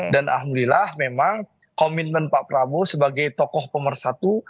dan alhamdulillah memang komitmen pak prabowo sebagai tokoh pemersatu